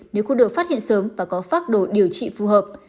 nếu không được phát hiện sớm và có phác đồ điều trị phù hợp